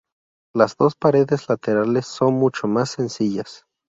Las dos paredes laterales son mucho más sencillas.